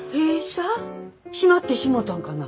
閉まってしもうたんかな。